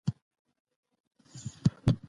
ژبپوهنه او ګرامر هم باید په علمي ډول وڅېړل سي.